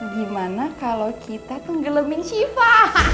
gimana kalau kita tenggelamin shiva